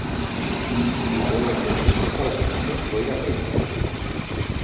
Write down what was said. Si la boira ye muit espesa la clamamos boira preta.